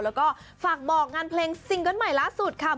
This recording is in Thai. แล้วก็ฝากบอกงานเพลงซิงเกิ้ลใหม่ล่าสุดค่ะ